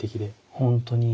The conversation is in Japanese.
本当に。